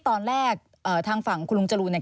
ตอนแรกทางฝั่งคุณลุงจรูนเนี่ย